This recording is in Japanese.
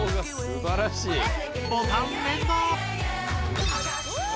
すばらしい。